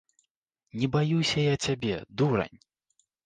Не баюся я цябе, дурань!